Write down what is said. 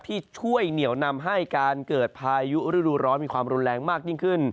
ที่ช่วยเหนียวนำให้การเกิดพายุฤดูร้อนมีความรุนแรงมากยิ่งขึ้น